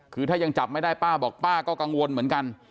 คือถ้ายังจับไม่ได้ป้าบอกป้าก็กังวลเหมือนกัน